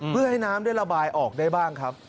เพื่อให้น้ำได้ระบายออกได้บ้างครับ